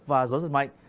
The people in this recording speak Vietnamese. và gió rất mạnh